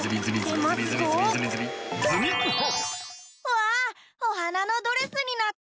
わあおはなのドレスになった！